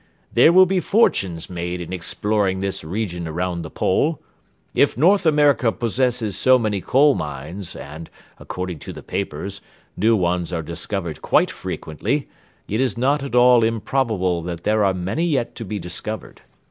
There will be fortunes made in exploring this region around the pole. If North America possesses so many coal mines and, according to the papers, new ones are discovered quite frequently, it is not at all improbable that there are many yet to be discovered.